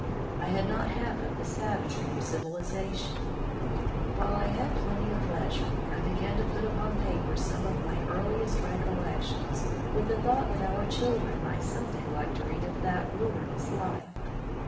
I had not seen half of the savagery of civilization ! While I had plenty of leisure, I began to put upon paper some of my earliest rec ollections, with the thought that oiu: chil dren might some day like to read of that wilderness life.